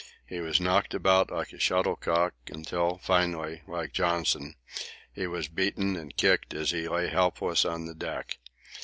He was knocked about like a shuttlecock, until, finally, like Johnson, he was beaten and kicked as he lay helpless on the deck.